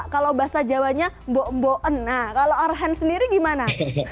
kalau bahasa jawanya mbo mbo en nah kalau arhan sendiri gimana